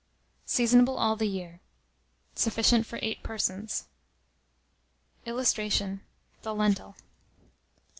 Seasonable all the year. Sufficient for 8 persons. [Illustration: THE LENTIL.